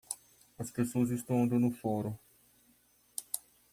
As pessoas estão andando fora.